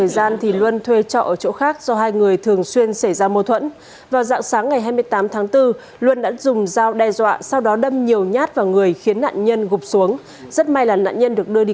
xin chào quý vị và hẹn gặp lại